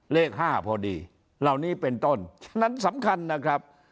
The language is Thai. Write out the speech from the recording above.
เลข๕พอดีเหล่านี้เป็นต้นฉะนั้นสำคัญนะครับ